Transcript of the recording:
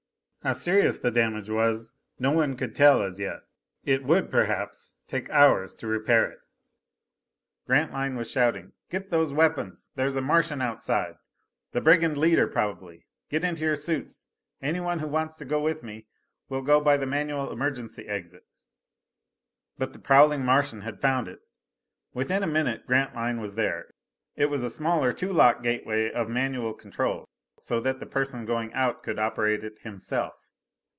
How serious the damage was, no one could tell as yet. It would perhaps take hours to repair it. Grantline was shouting, "Get those weapons! That's a Martian outside! The brigand leader, probably! Get into your suits, anyone who wants to go with me! We'll go by the manual emergency exit." But the prowling Martian had found it! Within a minute Grantline was there. It was a smaller two lock gateway of manual control, so that the person going out could operate it himself.